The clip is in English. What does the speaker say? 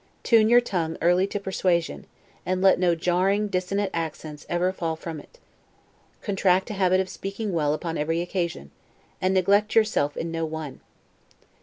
Tune your tongue early to persuasion; and let no jarring, dissonant accents ever fall from it, Contract a habit of speaking well upon every occasion, and neglect yourself in no one.